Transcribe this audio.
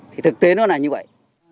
thì thực tế nó là như vậy